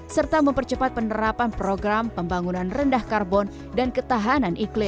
serta mempercepat penerapan program pembangunan rendah karbon dan ketahanan iklim